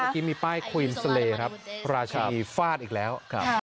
เมื่อกี้มีป้ายควีนเซเลครับราชินีฟาดอีกแล้วครับ